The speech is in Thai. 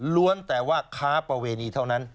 แต่ว่าค้าประเวณีเท่านั้น